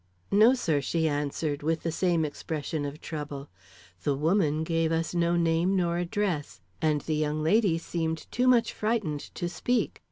"No sir," she answered, with the same expression of trouble. "The woman gave us no name nor address, and the young lady seemed too much frightened to speak.